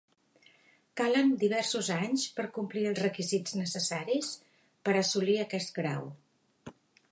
Calen diversos anys per complir els requisits necessaris per assolir aquest grau.